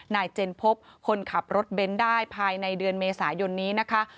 เจนพบคนขับรถเบนท์ได้ภายในเดือนเมษายนนี้นะคะ